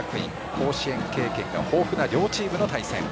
甲子園経験が豊富な両チームの対戦。